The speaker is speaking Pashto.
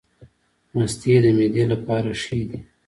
مستې د معدې لپاره ښې دي